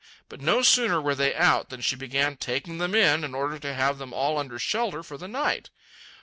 But no sooner were they out, than she began taking them in, in order to have them all under shelter for the night.